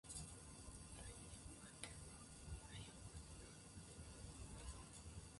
大事に抱えてこう何を感じたの